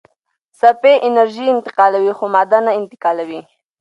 څپې انرژي انتقالوي خو ماده نه انتقالوي.